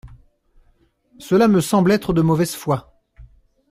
Cela me semble être de mauvaise foi.